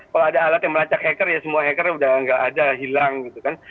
kalau ada alat yang melacak hacker ya semua hackernya udah nggak ada hilang gitu kan